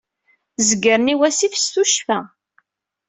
Zeggren i wassif s tuccfa.